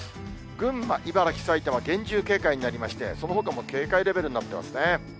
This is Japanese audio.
群馬、茨城、埼玉、厳重警戒になりまして、そのほかも警戒レベルになっていますね。